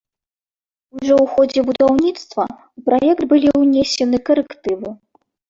Ужо ў ходзе будаўніцтва ў праект былі ўнесены карэктывы.